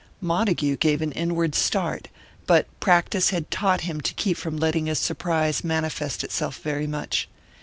Montague gave an inward start; but practice had taught him to keep from letting his surprise manifest itself very much.